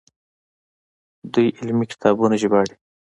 دوی علمي کتابونه ژباړي.